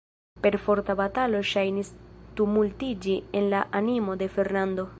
Perforta batalo ŝajnis tumultiĝi en la animo de Fernando.